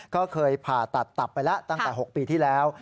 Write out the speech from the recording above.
ก็เคยผ่าตัดตับไปแล้วตั้งแต่๖ปีที่แล้ว